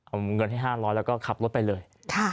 เอาเงินให้๕๐๐แล้วก็ขับรถไปเลย